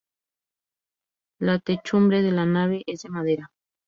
La techumbre de la nave es de madera.